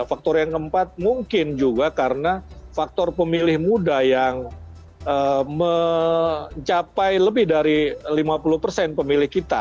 faktor yang keempat mungkin juga karena faktor pemilih muda yang mencapai lebih dari lima puluh persen pemilih kita